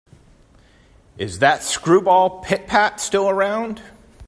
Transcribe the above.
Is that screwball Pit-Pat still around?